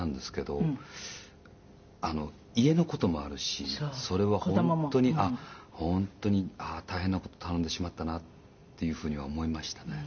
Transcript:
家の事もあるし、それは本当に本当に大変な事を頼んでしまったなっていうふうには思いましたね。